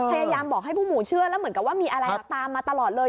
พยายามบอกให้ผู้หมู่เชื่อแล้วเหมือนกับว่ามีอะไรตามมาตลอดเลย